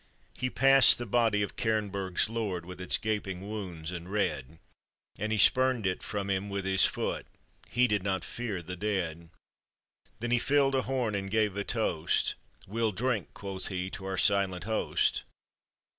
He passed the body of Cairnburg's lord With its gaping wounds and red, And he spurned it from him with his foot — He did not fear the dead ; Then he filled a horn and gave a toast " We'll drink," quoth he, " to our silent hos^."